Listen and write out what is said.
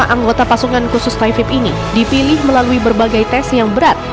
tiga puluh lima anggota pasukan khusus taifib ini dipilih melalui berbagai tes yang berat